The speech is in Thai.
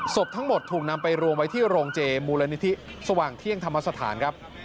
ศพทั้งหมดถูกนำไปรวมไว้ที่โรงเจมูลนิธิสว่างเที่ยงธรรมสถานครับ